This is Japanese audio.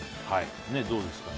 どうですかね。